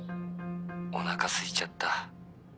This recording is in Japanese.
お腹すいちゃった。